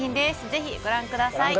ぜひご覧ください。